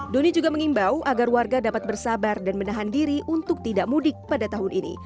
doni juga mengimbau agar warga dapat bersabar dan menahan diri untuk tidak mudik pada tahun ini